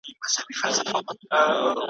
لسمه نکته.